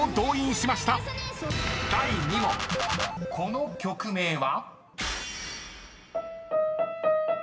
［この曲名は？］